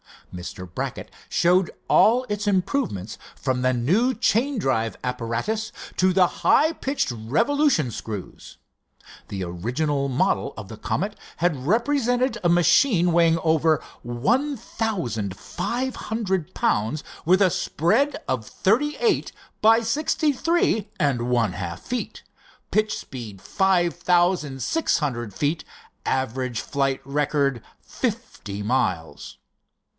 Mr. Brackett showed all its improvements, from the new chain drive apparatus to the high pitch revolution screws. The original model of the Comet had represented a machine weighing over one thousand five hundred pounds with a spread of thirty eight by sixty three and one half feet, pitch speed five thousand six hundred feet, average flight record fifty miles.